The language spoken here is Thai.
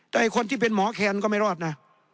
แต่คนที่เป็นหมอแคนก็ไม่รอดนะ